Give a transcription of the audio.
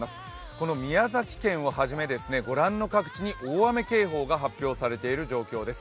この宮崎県をはじめご覧の各地に大雨警報が発表されている状況です。